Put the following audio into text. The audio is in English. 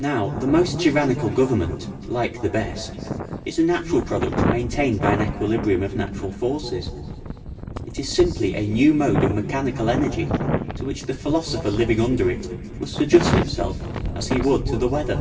Now the most tyrannical government, like the best, is a natural product maintained by an equilibrium of natural forces. It is simply a new mode of mechanical energy to which the philosopher living under it must adjust himself as he would to the weather.